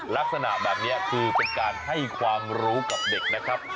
ลักษณะแบบนี้คือเป็นการให้ความรู้กับเด็กนะครับ